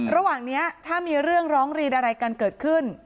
ระหว่างนี้ถ้ามีเรื่องร้องเรียนอะไรกันเกิดขึ้น